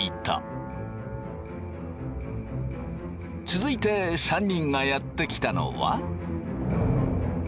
続いて３人がやって来たのは。